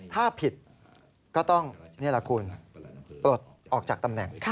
ถ้าผิดก็ต้องนี่แหละคุณปลดออกจากตำแหน่ง